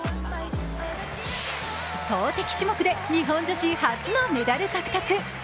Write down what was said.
投てき種目で日本女子初のメダル獲得。